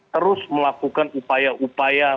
terus melakukan upaya upaya